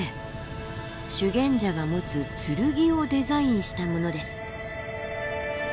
修験者が持つ剣をデザインしたものです。